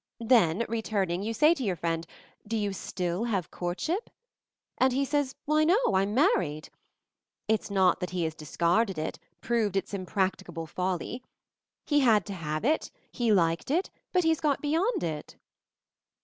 Then, return ing, you say to your friend, 'Do you still have courtship?' And he says, 'Why no, I'm married.' It's not that he has discarded it, proved it's impracticable folly. He had to have it — he liked it — but he's got beyond it."